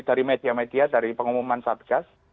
dari media media dari pengumuman satgas